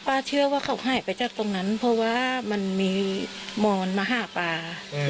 เชื่อว่าเขาหายไปจากตรงนั้นเพราะว่ามันมีมอนมาหาปลา